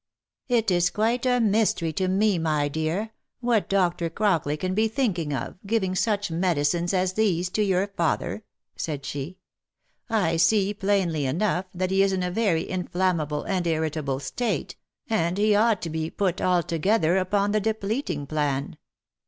" It is quite a mystery to me, my dear, what Dr. Crockley can be thinking of, giving such medicines as these to your father," said she. a I see, plainly enough, that he is in a very inflammable and irritable state, and he ought to be put altogether upon the depleting plan."